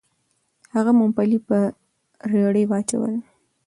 هغه ممپلي په رېړۍ واچول. .